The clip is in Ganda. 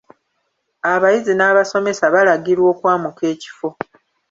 Abayizi n'abasomesa balagirwa okwamuka ekifo.